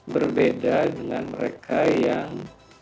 berbeda dengan mereka yang